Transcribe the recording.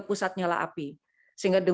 pusat nyala api sehingga